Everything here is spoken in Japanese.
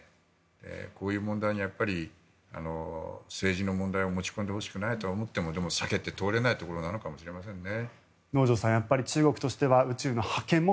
こういう問題に政治の問題を持ち込んでほしくないとは思っても避けて通れないところなのかもしれませんね。